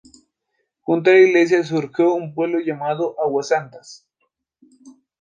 Junto a la iglesia, surgió un pueblo llamado Águas Santas.